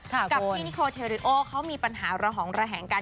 กับพี่นิโคเทริโอเขามีปัญหาระหองระแหงกัน